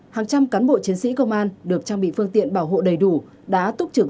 hàng trăm cán bộ chiến sĩ công an được trang bị phương tiện bảo hộ đầy đủ đã túc trực